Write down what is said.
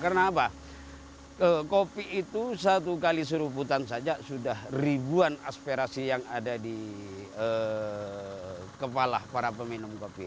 karena apa kopi itu satu kali seruputan saja sudah ribuan aspirasi yang ada di kepala para peminum kopi